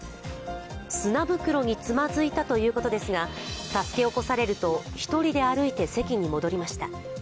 砂袋につまずいたということですが、助け起こされると１人で歩いて席に戻りました。